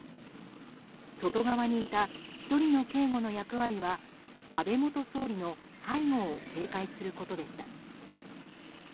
外側にいた１人の警護の役割は安倍元総理の背後を警戒することでした。